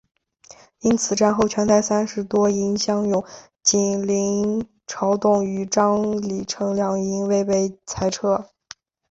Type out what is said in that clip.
因此战后全台三十多营乡勇仅林朝栋与张李成两营未被裁撤。